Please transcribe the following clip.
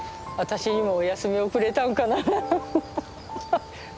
私にもお休みをくれたんかなハハハ。